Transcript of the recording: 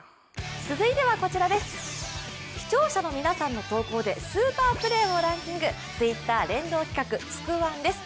視聴者の皆さんの投稿でスーパープレーをランキング、Ｔｗｉｔｔｅｒ連動企画「つくワン」です。